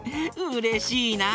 うれしいな！